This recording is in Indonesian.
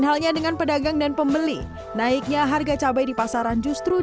sijam ini penting di ter facilitas pejabat banyak peua jendela ini berfalsehari ini baiknya hanya cari ini